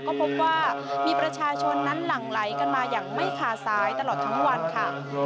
ก็พบว่ามีประชาชนนั้นหลั่งไหลกันมาอย่างไม่ขาดสายตลอดทั้งวันค่ะ